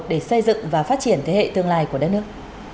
để xây dựng và phát triển thế hệ tương lai của đất nước